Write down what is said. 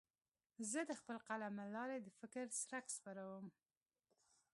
زه د خپل قلم له لارې د فکر څرک خپروم.